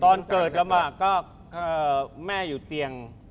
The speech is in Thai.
ตอนเกิดลำบากก็แม่อยู่เตียง